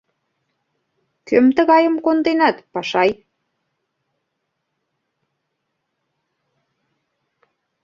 Кӧм тыгайым конденат, Пашай?